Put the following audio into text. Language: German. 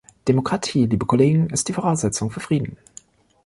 Demokratie, liebe Kollegen, ist die Voraussetzung für Frieden.